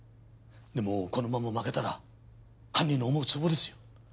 でもこのまま負けたら犯人の思うツボですよ。